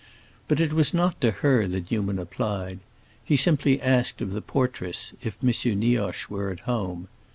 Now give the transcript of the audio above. But it was not to her that Newman applied; he simply asked of the portress if M. Nioche were at home.